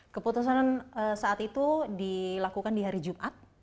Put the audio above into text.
keputusan saat itu dilakukan di hari jumat